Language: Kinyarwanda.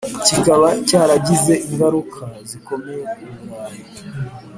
kikaba cyaragize ingaruka zikomeye ku burayi